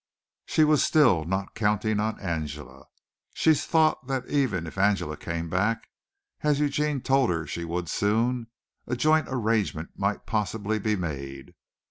She was still not counting on Angela. She thought that even if Angela came back, as Eugene told her she would soon, a joint arrangement might possibly be made.